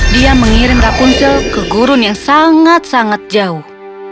dia mengirim rapunzel ke gurun yang sangat sangat jauh